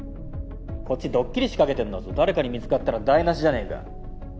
こっちドッキリ仕掛けてんだぞ誰かに見つかったら台なしじゃねぇか。